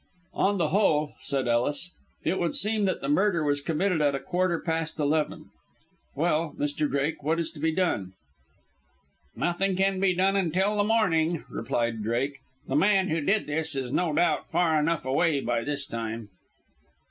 "On the whole," said Ellis, "it would seem that the murder was committed at a quarter past eleven. Well, Mr. Drake, what is to be done?" "Nothing can be done until the morning," replied Drake. "The man who did this is no doubt far enough away by this time."